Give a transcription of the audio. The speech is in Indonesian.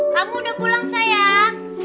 kamu udah pulang sayang